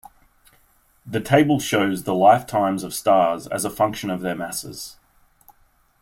The table shows the lifetimes of stars as a function of their masses.